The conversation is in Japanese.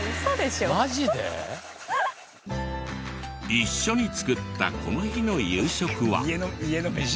一緒に作ったこの日の夕食は。